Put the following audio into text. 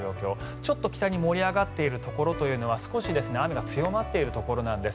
ちょっと北に盛り上がっているところは少し雨が強まっているところなんです。